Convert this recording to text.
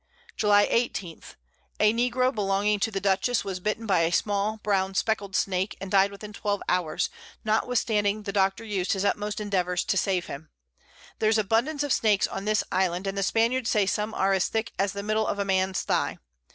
[Sidenote: In Gorgona Road.] July 18. A Negro belonging to the Dutchess was bit by a small brown speckl'd Snake, and died within 12 Hours, notwithstanding the Doctor us'd his utmost Endeavours to save him. There's abundance of Snakes on this Island, and the Spaniards say some are as thick as the Middle of a Man's Thigh.